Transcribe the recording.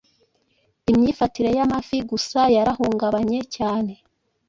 Imyifatire y amafi gusa yarahungabanye cyane